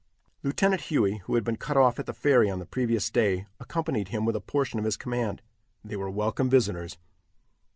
Lieutenant Huey, who had been cut off at the ferry on the previous day, accompanied him with a portion of his command. They were welcome visitors.